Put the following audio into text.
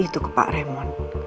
bahas itu ke pak raymond